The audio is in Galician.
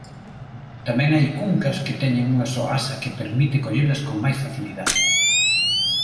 Tamén hai cuncas que teñen unha soa asa que permite collelas con máis facilidade.